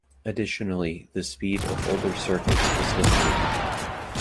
Additionally, the speed of older circuits was limited.